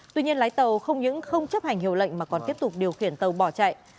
tuy nhiên lái tàu không những không chấp hành hiệu lệnh mà còn tiếp tục điều khiển tàu bỏ chạy